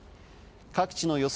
各地の予想